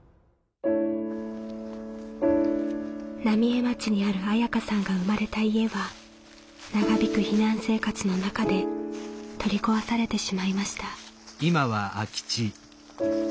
浪江町にある恵佳さんが生まれた家は長引く避難生活の中で取り壊されてしまいました。